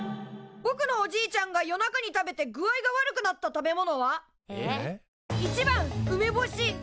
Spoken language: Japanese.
ぼくのおじいちゃんが夜中に食べて具合が悪くなった食べ物は？えっ？